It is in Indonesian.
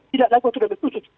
tidak lagi untuk memperkursus